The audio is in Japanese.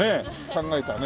考えたね。